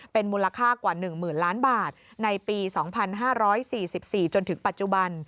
เป็นมูลค่ากว่า๑๐๐๐ล้านบาทในปี๒๕๔๔จนถึงปัจจุบัน